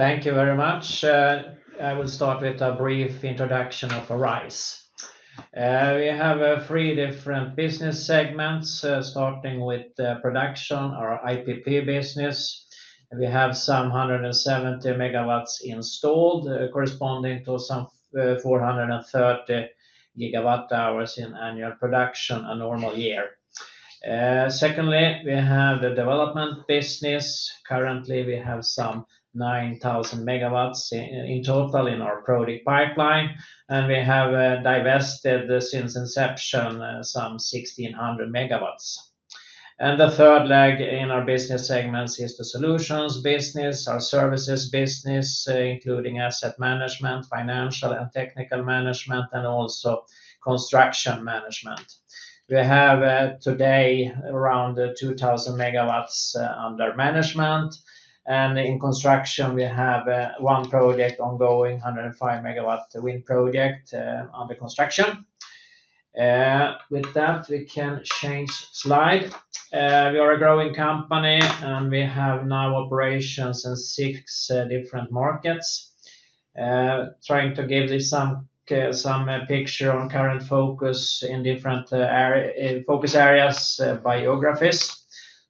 Thank you very much. I will start with a brief introduction of Arise. We have three different business segments, starting with Production, our IPP business. We have some 170 MW installed, corresponding to some 430 GWh in annual production a normal year. Secondly, we have the Development business. Currently, we have some 9,000 MW in total in our product pipeline, and we have divested since inception some 1,600 MW. The third leg in our business segments is the Solutions business, our services business, including asset management, financial and technical management, and also construction management. We have today around 2,000 MW under management, and in construction, we have one project ongoing, 105 MW wind project under construction. With that, we can change slide. We are a growing company, and we have now operations in six different markets. Trying to give this some picture on current focus in different focus areas, biographies.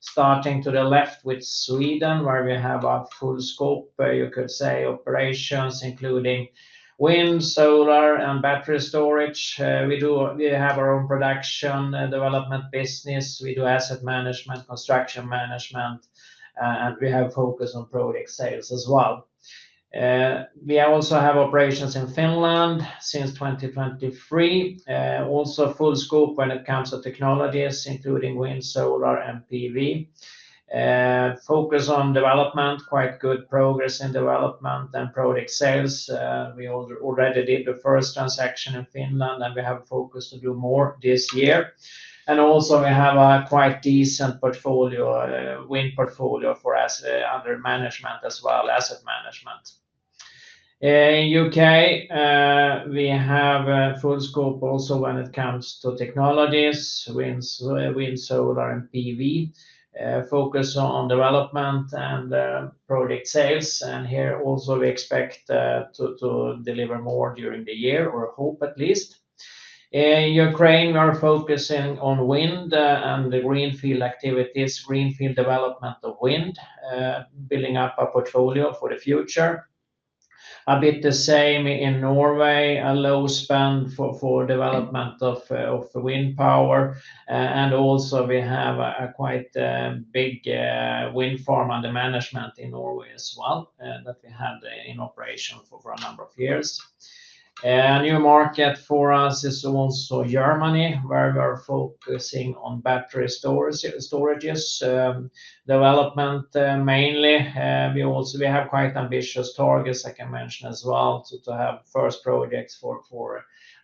Starting to the left with Sweden, where we have a full scope, you could say, operations including wind, solar, and battery storage. We do have our own production and development business. We do asset management, construction management, and we have focus on product sales as well. We also have operations in Finland since 2023, also full scope when it comes to technologies, including wind, solar, and PV. Focus on development, quite good progress in development and product sales. We already did the first transaction in Finland, and we have a focus to do more this year. We have a quite decent portfolio, wind portfolio for us under management as well, asset management. In the United Kingdom, we have a full scope also when it comes to technologies, wind, solar, and PV. Focus on development and product sales, and here also we expect to deliver more during the year, or hope at least. In Ukraine, we are focusing on wind and the greenfield activities, greenfield development of wind, building up our portfolio for the future. A bit the same in Norway, a low spend for development of wind power, and we have a quite big wind farm under management in Norway as well that we had in operation for a number of years. A new market for us is also Germany, where we are focusing on battery storages, development mainly. We also have quite ambitious targets I can mention as well to have first projects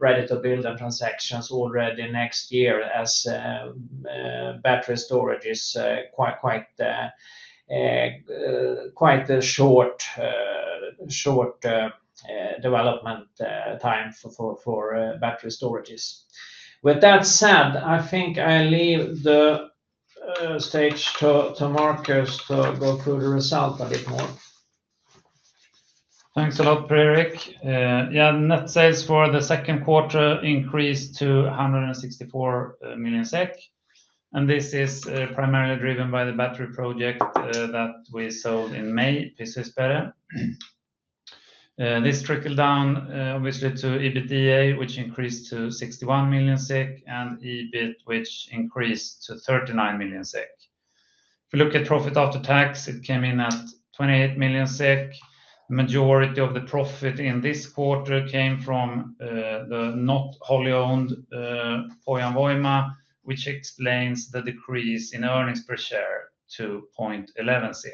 ready to build and transactions already next year as battery storage is quite a short development time for battery storages. With that said, I think I leave the stage to Markus to go through the results a bit more. Thanks a lot, Per-Erik. Yeah, net sales for the second quarter increased to 164 million SEK, and this is primarily driven by the battery project that we sold in May, Pysäysperä. This trickled down obviously to EBITDA, which increased to 61 million SEK, and EBIT, which increased to 39 million SEK. If you look at profit after tax, it came in at 28 million SEK. The majority of the profit in this quarter came from the not wholly owned Ojan Voima, which explains the decrease in earnings per share to 0.11 SEK.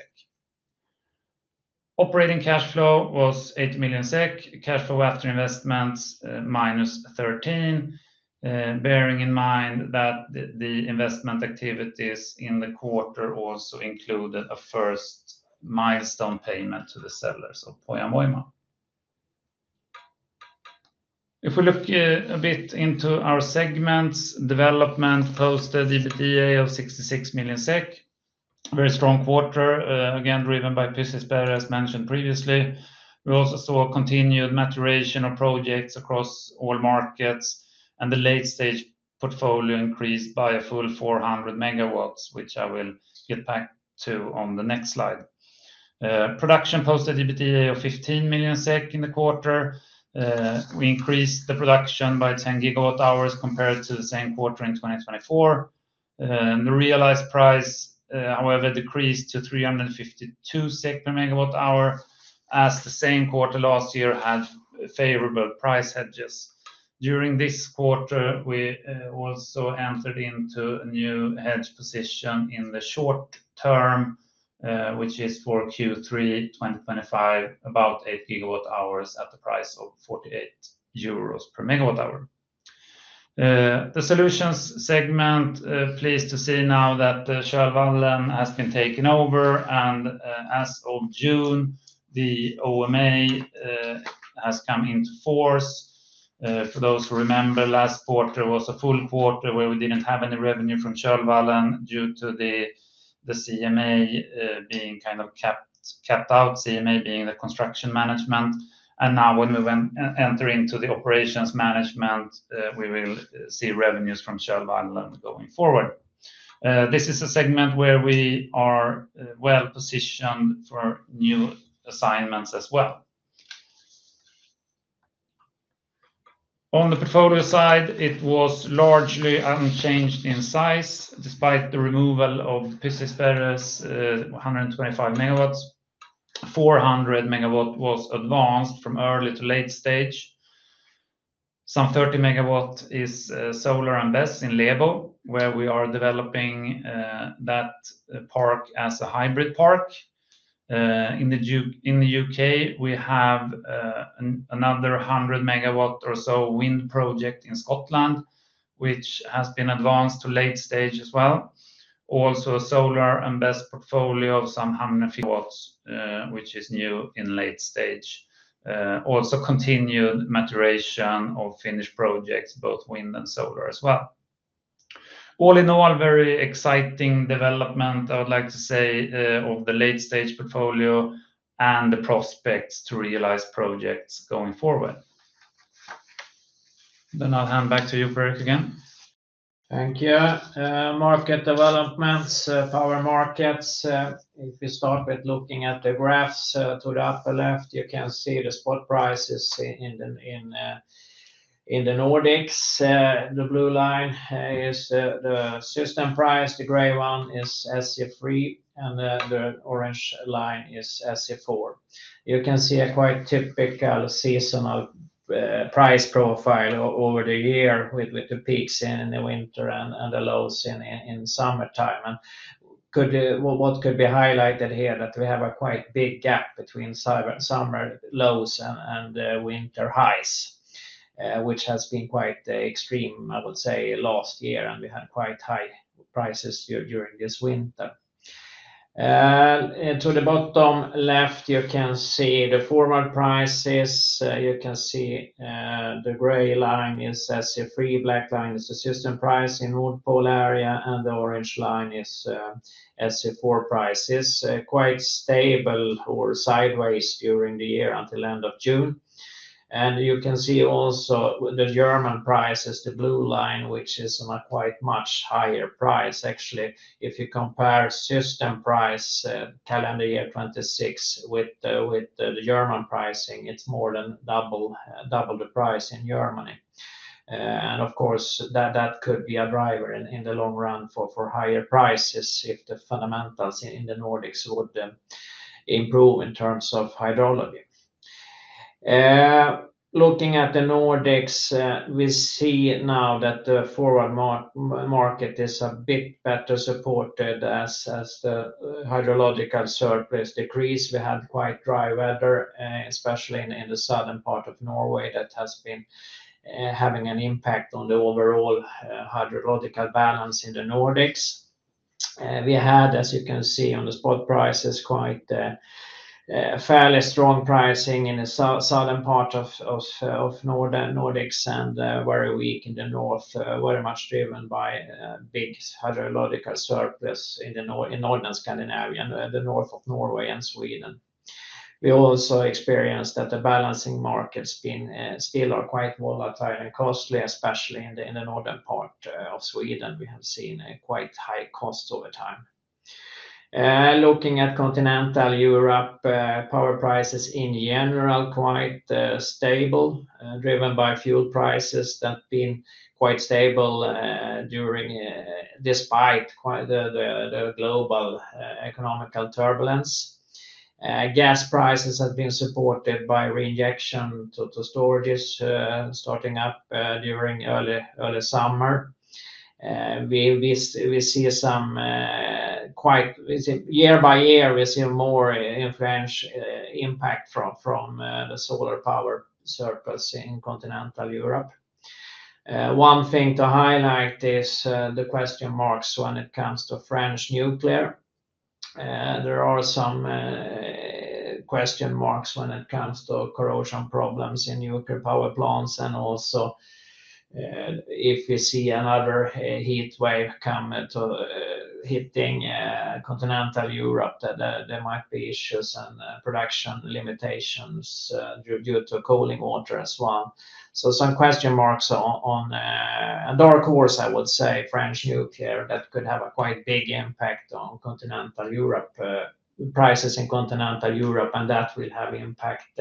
Operating cash flow was 80 million SEK. Cash flow after investments minus 13 million, bearing in mind that the investment activities in the quarter also included a first milestone payment to the sellers of Ojan Voima. If we look a bit into our segments, Development posted EBITDA of 66 million SEK. Very strong quarter, again driven by Pysäysperä, as mentioned previously. We also saw continued maturation of projects across all markets, and the late-stage portfolio increased by a full 400 MW, which I will get back to on the next slide. Production posted EBITDA of 15 million SEK in the quarter. We increased the production by 10 GWh compared to the same quarter in 2024. The realized price, however, decreased to 352 per MWh, as the same quarter last year had favorable price hedges. During this quarter, we also entered into a new hedge position in the short term, which is for Q3 2025, about 8 GWh at the price of 48 euros per MWh. The Solutions segment, pleased to see now that the Kölvallen has been taken over, and as of June, the OMA has come into force. For those who remember, last quarter was a full quarter where we didn't have any revenue from Kölvallen due to the CMA being kind of kept out, CMA being the construction management. Now when we enter into the operations management, we will see revenues from Kölvallen going forward. This is a segment where we are well positioned for new assignments as well. On the portfolio side, it was largely unchanged in size, despite the removal of the Pysäysperä 125 MW. 400 MW was advanced from early to late stage. Some 30 MW is solar and BESS in Leebo, where we are developing that park as a hybrid park. In the United Kingdom, we have another 100 MW or so wind project in Scotland, which has been advanced to late stage as well. Also, a solar and BESS portfolio of some 150 MW, which is new in late stage. Also, continued maturation of Finnish projects, both wind and solar as well. All in all, very exciting development, I would like to say, of the late-stage portfolio and the prospects to realize projects going forward. I'll hand back to you, Per-Erik, again. Thank you. Market developments, power markets. If you start with looking at the graphs to the upper left, you can see the spot prices in the Nordics. The blue line is the system price, the gray one is SC3, and the orange line is SC4. You can see a quite typical seasonal price profile over the year, with the peaks in the winter and the lows in the summertime. What could be highlighted here is that we have a quite big gap between summer lows and winter highs, which has been quite extreme, I would say, last year, and we had quite high prices during this winter. To the bottom left, you can see the forward prices. You can see the gray line is SC3, black line is the system price in the North Pole area, and the orange line is SC4 prices. Quite stable or sideways during the year until the end of June. You can see also the German prices, the blue line, which is a quite much higher price. Actually, if you compare system price, calendar year 2026, with the German pricing, it's more than double the price in Germany. Of course, that could be a driver in the long run for higher prices if the fundamentals in the Nordics would improve in terms of hydrology. Looking at the Nordics, we see now that the forward market is a bit better supported as the hydrological surplus decreased. We had quite dry weather, especially in the southern part of Norway that has been having an impact on the overall hydrological balance in the Nordics. We had, as you can see on the spot prices, quite fairly strong pricing in the southern part of the Nordics and very weak in the north, very much driven by big hydrological surplus in the northern Scandinavia, in the north of Norway and Sweden. We also experienced that the balancing markets still are quite volatile and costly, especially in the northern part of Sweden. We have seen quite high costs over time. Looking at continental Europe, power prices in general are quite stable, driven by fuel prices that have been quite stable despite the global economic turbulence. Gas prices have been supported by reinjection to storages, starting up during early summer. We see some quite year by year, we see more influence impact from the solar power surplus in continental Europe. One thing to highlight is the question marks when it comes to French nuclear. There are some question marks when it comes to corrosion problems in nuclear power plants. If we see another heat wave come to hitting continental Europe, there might be issues and production limitations due to cooling water as well. Some question marks on a dark horse, I would say, French nuclear that could have a quite big impact on continental Europe, prices in continental Europe, and that will have an impact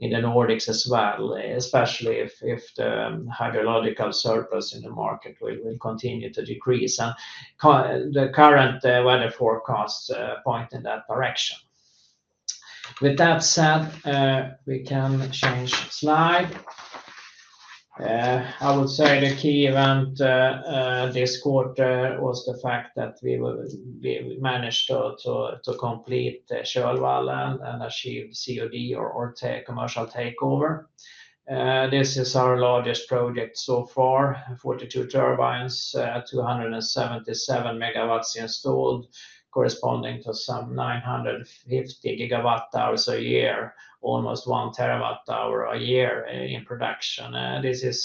in the Nordics as well, especially if the hydrological surplus in the market will continue to decrease. The current weather forecasts point in that direction. With that said, we can change slide. I would say the key event this quarter was the fact that we managed to complete the Kölvallen and achieve COD or commercial takeover. This is our largest project so far, 42 turbines, 277 MW installed, corresponding to some 950 GWh a year, almost 1 TWh a year in production. This is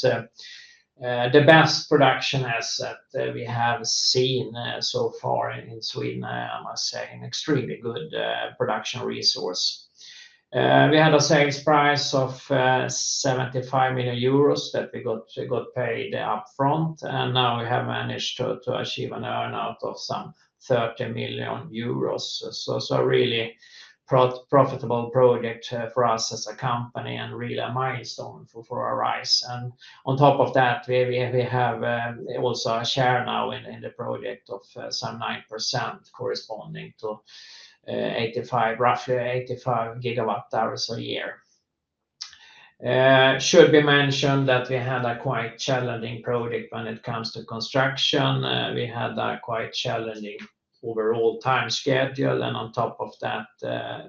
the best production asset we have seen so far in Sweden, I must say, an extremely good production resource. We had a sales price of 75 million euros that we got paid upfront, and now we have managed to achieve an earnout of some 30 million euros. It's a really profitable project for us as a company and really a milestone for Arise. On top of that, we have also a share now in the project of some 9%, corresponding to roughly 85 GWh a year. It should be mentioned that we had a quite challenging project when it comes to construction. We had a quite challenging overall time schedule, and on top of that,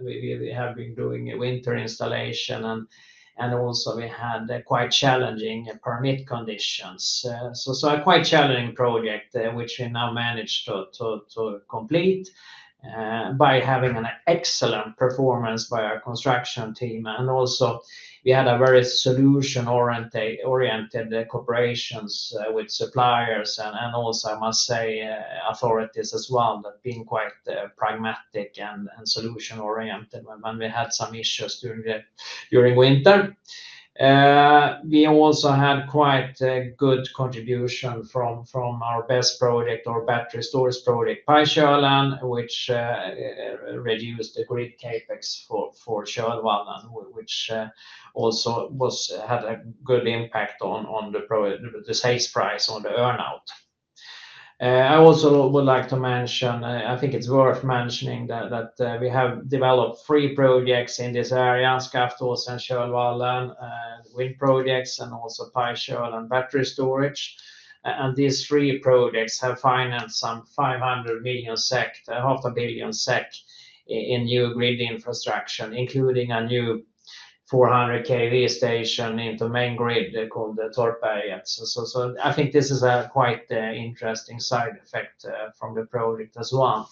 we have been doing a winter installation, and also we had quite challenging permit conditions. A quite challenging project, which we now managed to complete by having an excellent performance by our construction team. We had a very solution-oriented cooperation with suppliers and also, I must say, authorities as well, that have been quite pragmatic and solution-oriented when we had some issues during the winter. We also had quite a good contribution from our BESS project, our battery storage project by Kölvallen, which reduced the grid CapEx for Kölvallen, which also had a good impact on the sales price or the earnout. I also would like to mention, I think it's worth mentioning that we have developed three projects in this area, Skaftåsen and Kölvallen, wind projects, and also Pysäysperä and battery storage. These three projects have financed some 500 million SEK, half a billion SEK in new grid infrastructure, including a new 400 kV station into main grid called the Torpberget. I think this is a quite interesting side effect from the project as well.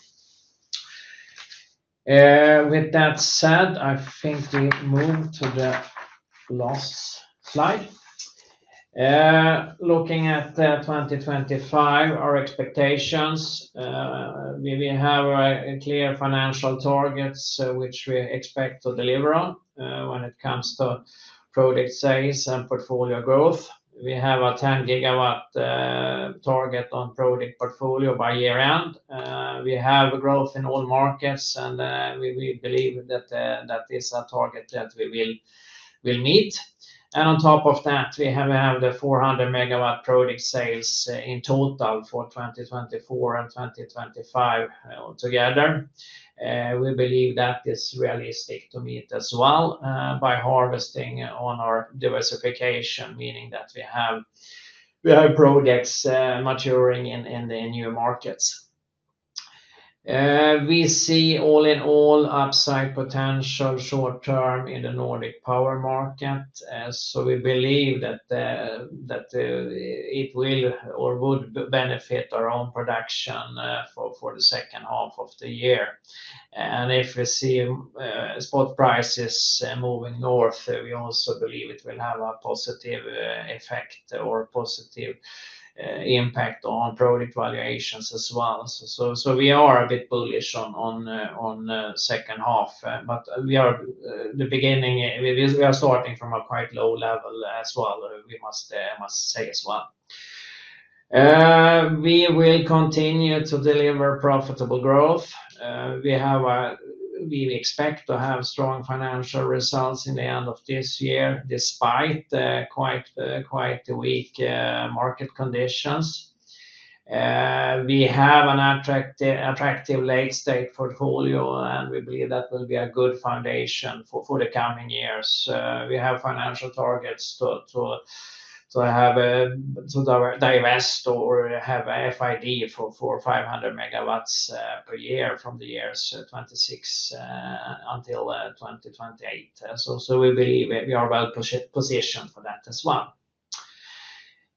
With that said, I think we move to the last slide. Looking at 2025, our expectations, we have a clear financial target which we expect to deliver on when it comes to project sales and portfolio growth. We have a 10 GW target on project portfolio by year end. We have growth in all markets, and we believe that this is a target that we will meet. On top of that, we have the 400 MW project sales in total for 2024 and 2025 together. We believe that is realistic to meet as well by harvesting on our diversification, meaning that we have projects maturing in the new markets. We see overall upside potential short term in the Nordic power market. We believe that it will benefit our own production for the second half of the year. If we see spot prices moving north, we also believe it will have a positive effect or a positive impact on project valuations as well. We are a bit bullish on the second half, but at the beginning, we are starting from a quite low level as well, we must say as well. We will continue to deliver profitable growth. We expect to have strong financial results at the end of this year, despite quite weak market conditions. We have an attractive late-stage portfolio, and we believe that will be a good foundation for the coming years. We have financial targets to have a divestment or have a FID for 500 MW per year from the years 2026 until 2028. We believe we are well positioned for that as well.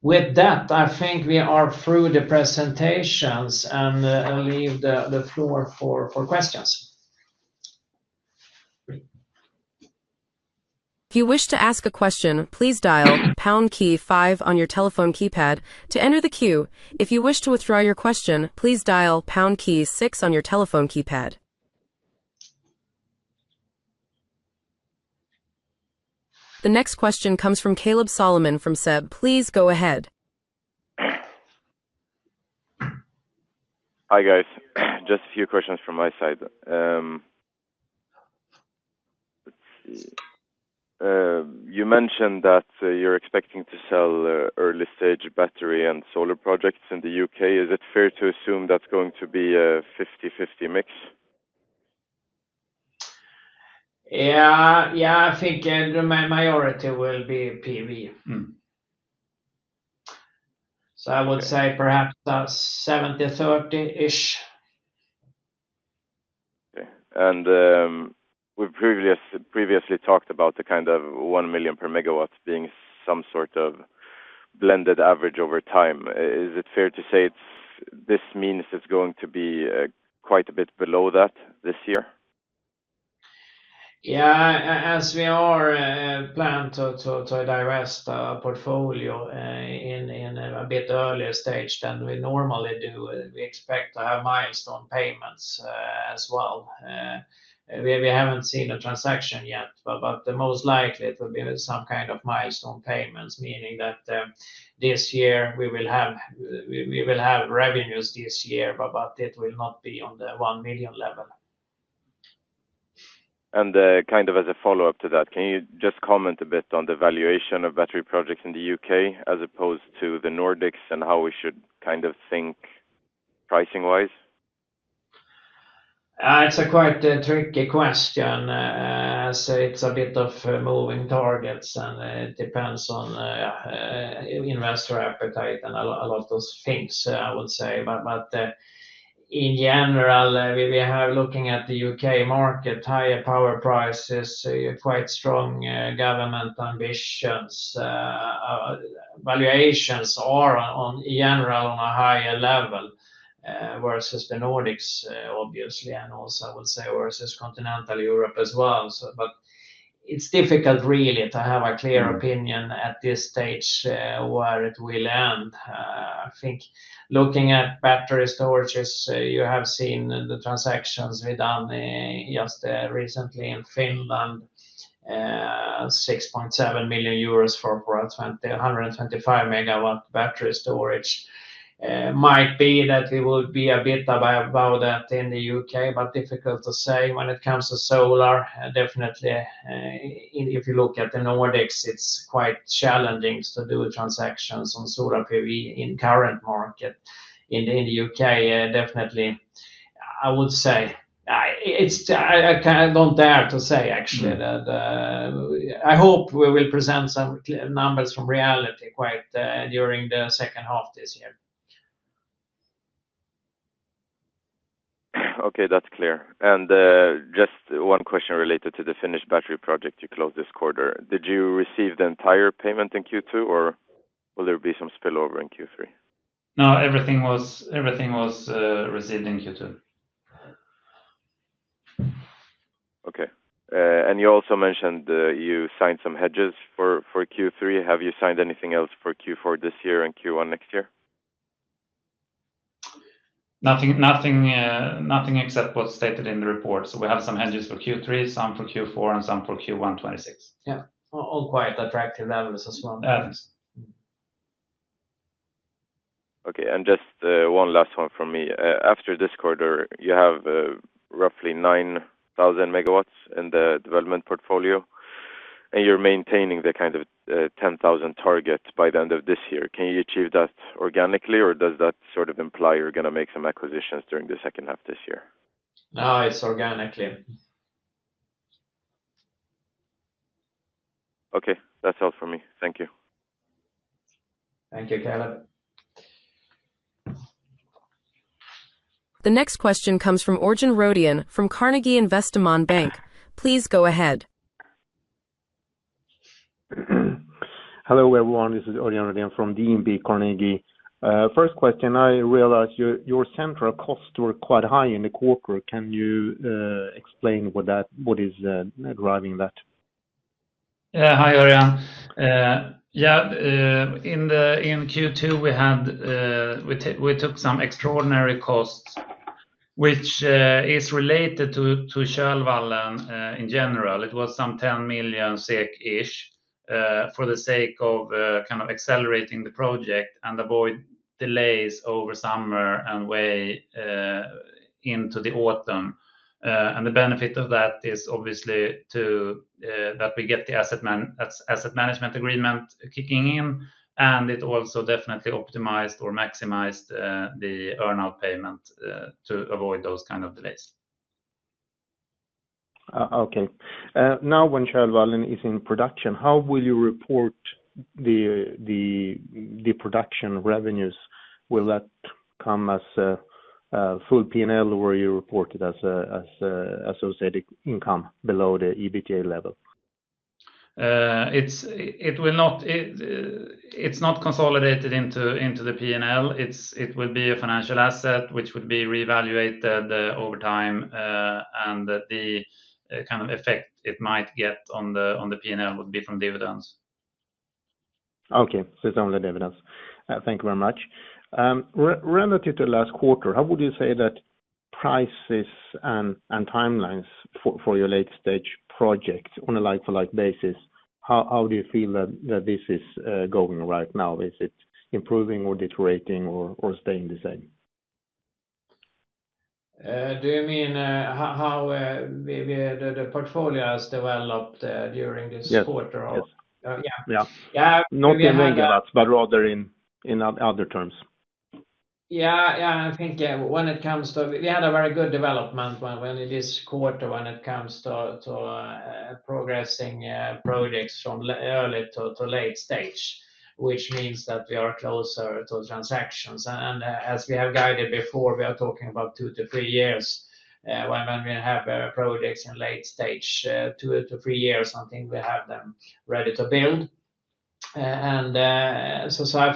With that, I think we are through the presentations and leave the floor for questions. If you wish to ask a question, please dial pound key five on your telephone keypad to enter the queue. If you wish to withdraw your question, please dial pound key six on your telephone keypad. The next question comes from Kaleb Solomon from SEB. Please go ahead. Hi guys. Just a few questions from my side. You mentioned that you're expecting to sell early-stage battery and solar projects in the United Kingdom. Is it fair to assume that's going to be a 50/50 mix? I think the majority will be PV. I would say perhaps a 70/30-ish. Okay. We previously talked about the kind of 1 million per MW being some sort of blended average over time. Is it fair to say this means it's going to be quite a bit below that this year? As we are planning to divest our portfolio in a bit earlier stage than we normally do, we expect to have milestone payments as well. We haven't seen a transaction yet, but most likely it will be some kind of milestone payments, meaning that this year we will have revenues this year, but it will not be on the 1 million level. As a follow-up to that, can you just comment a bit on the valuation of battery projects in the United Kingdom as opposed to the Nordics and how we should think pricing-wise? It's a quite tricky question as it's a bit of moving targets and it depends on investor appetite and a lot of things, I would say. In general, we have looking at the U.K. market, higher power prices, quite strong government ambitions. Valuations are in general on a higher level versus the Nordics, obviously, and also I would say versus continental Europe as well. It's difficult really to have a clear opinion at this stage where it will end. I think looking at battery storages, you have seen the transactions we've done just recently in Finland, 6.7 million euros for 125 MW battery storage. It might be that it would be a bit above that in the U.K., but difficult to say when it comes to solar. Definitely, if you look at the Nordics, it's quite challenging to do transactions on solar PV in the current market. In the U.K., definitely, I would say, I don't dare to say actually that. I hope we will present some numbers from reality quite during the second half this year. Okay, that's clear. Just one question related to the Finnish battery project you closed this quarter. Did you receive the entire payment in Q2, or will there be some spillover in Q3? No, everything was received in Q2. Okay. You also mentioned you signed some hedges for Q3. Have you signed anything else for Q4 this year and Q1 next year? Nothing except what's stated in the report. We have some hedges for Q3, some for Q4, and some for Q1 2026, all at quite attractive levels as well. Okay. Just one last one from me. After this quarter, you have roughly 9,000 MW in the development portfolio, and you're maintaining the kind of 10,000 target by the end of this year. Can you achieve that organically, or does that sort of imply you're going to make some acquisitions during the second half this year? No, it's organic. Okay. That's all for me. Thank you. Thank you, Caleb. The next question comes from Örjan Röden from Carnegie Investment Bank. Please go ahead. Hello everyone. This is Örjan Röden from DNB Carnegie. First question, I realized your central costs were quite high in the quarter. Can you explain what is driving that? Hi Örjan. In Q2, we took some extraordinary costs, which is related to Kölvallen in general. It was some 10 million for the sake of kind of accelerating the project and avoid delays over summer and way into the autumn. The benefit of that is obviously that we get the asset management agreement kicking in, and it also definitely optimized or maximized the earnout payment to avoid those kinds of delays. Okay. Now when Kölvallen is in production, how will you report the production revenues? Will that come as a full P&L or will you report it as associated income below the EBITDA level? It's not consolidated into the P&L. It would be a financial asset, which would be revaluated over time, and the kind of effect it might get on the P&L would be from dividends. Okay. It's only dividends. Thank you very much. Relative to the last quarter, how would you say that prices and timelines for your late-stage project on a like-for-like basis, how do you feel that this is going right now? Is it improving or deteriorating or staying the same? Do you mean how the portfolio has developed during this quarter? Yeah, not in megawatts, but rather in other terms. I think when it comes to we had a very good development in this quarter when it comes to progressing projects from early to late stage, which means that we are closer to transactions. As we have guided before, we are talking about two to three years when we have projects in late stage, two to three years, I think we have them ready to build. I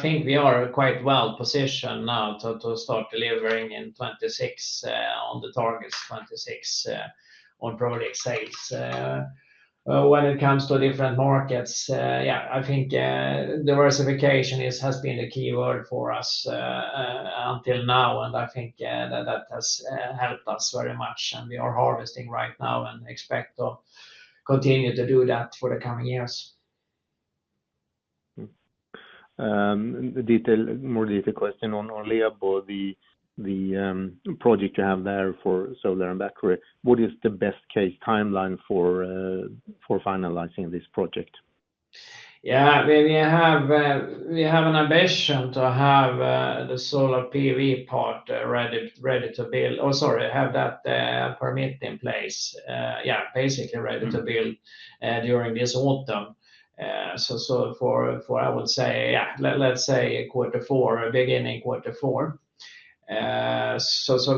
think we are quite well positioned now to start delivering in 2026 on the targets, 2026 on project sales. When it comes to different markets, I think diversification has been the key word for us until now, and I think that has helped us very much. We are harvesting right now and expect to continue to do that for the coming years. More detailed question on Leebo, the project you have there for solar and battery. What is the best case timeline for finalizing this project? Yeah, I mean, we have an ambition to have the solar PV part ready to build, or sorry, have that permit in place. Basically ready to build during this autumn. I would say, let's say quarter four, beginning quarter four. We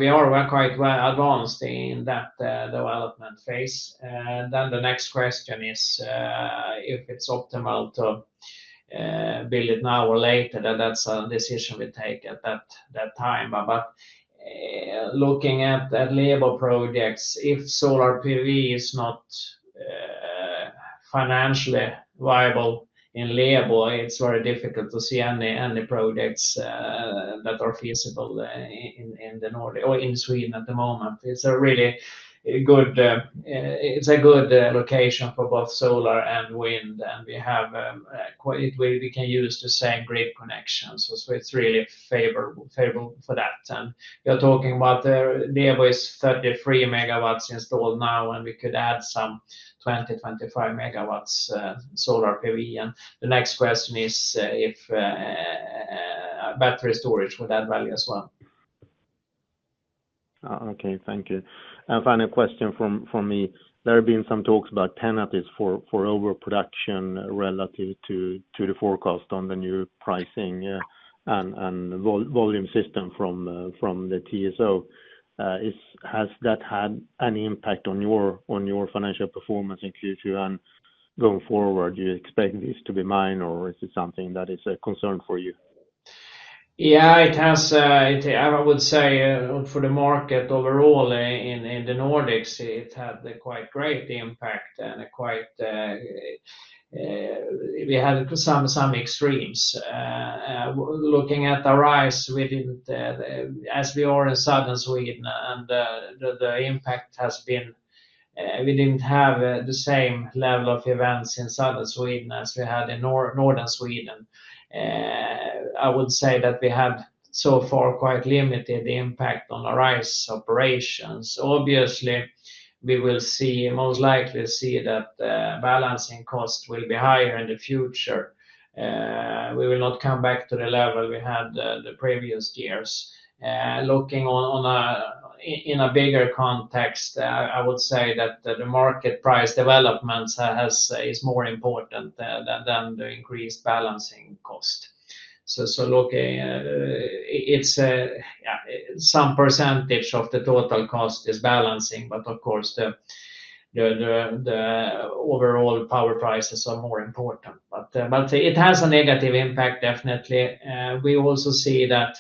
are quite well advanced in that development phase. The next question is if it's optimal to build it now or later, that that's a decision we take at that time. Looking at Leebo projects, if solar PV is not financially viable in Leebo, it's very difficult to see any projects that are feasible in the Nordic or in Sweden at the moment. It's a really good location for both solar and wind, and we can use the same grid connections. It's really favorable for that. We are talking about Leebo is 33 MW installed now, and we could add some 20 MW, 25 MW solar PV. The next question is if battery storage would add value as well. Thank you. Final question from me. There have been some talks about penalties for overproduction relative to the forecast on the new pricing and volume system from the TSO. Has that had an impact on your financial performance in Q2 and going forward? Do you expect this to be minor, or is it something that is a concern for you? Yeah, it has. I would say for the market overall in the Nordics, it had quite a great impact, and we had some extremes. Looking at Arise as we are in southern Sweden, the impact has been we didn't have the same level of events in southern Sweden as we had in northern Sweden. I would say that we had so far quite limited impact on Arise operations. Obviously, we will most likely see that the balancing cost will be higher in the future. We will not come back to the level we had the previous years. Looking in a bigger context, I would say that the market price development is more important than the increased balancing cost. Looking, some % of the total cost is balancing, but of course, the overall power prices are more important. It has a negative impact, definitely. We also see that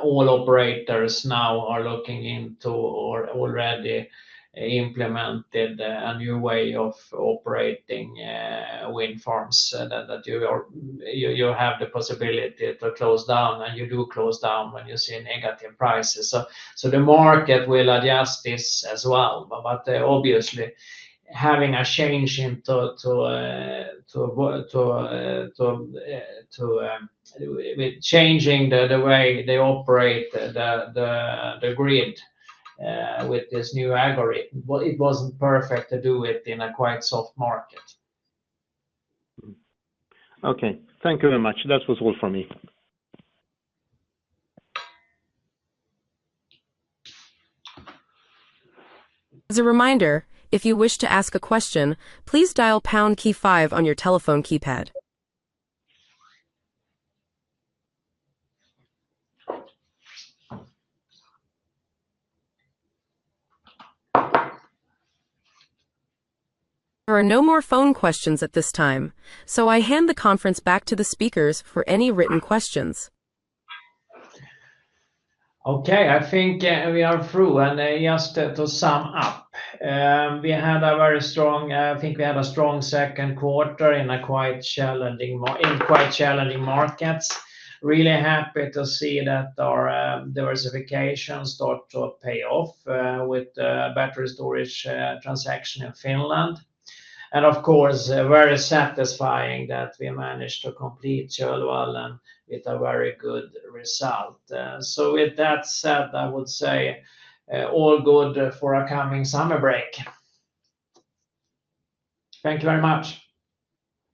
all operators now are looking into or already implemented a new way of operating wind farms that you have the possibility to close down, and you do close down when you see negative prices. The market will adjust this as well. Obviously, having a change into changing the way they operate the grid with this new algorithm, it wasn't perfect to do it in a quite soft market. Okay, thank you very much. That was all for me. As a reminder, if you wish to ask a question, please dial the pound key five on your telephone keypad. There are no more phone questions at this time, so I hand the conference back to the speakers for any written questions. Okay, I think we are through. Just to sum up, we had a very strong, I think we had a strong second quarter in quite challenging markets. Really happy to see that our diversification starts to pay off with the battery storage transaction in Finland. Of course, very satisfying that we managed to complete Kölvallen with a very good result. With that said, I would say all good for our coming summer break. Thank you very much.